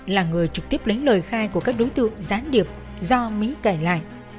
là người trực tiếp lấy lời khai của các đối tượng gián điệp do mỹ kể lại